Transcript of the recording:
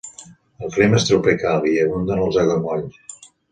El clima és tropical i hi abunden els aiguamolls.